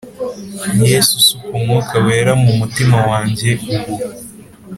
Yesu suka umwuka wera mu mutima wanjye ubu